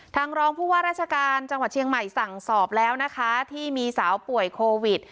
รองผู้ว่าราชการจังหวัดเชียงใหม่สั่งสอบแล้วนะคะที่มีสาวป่วยโควิด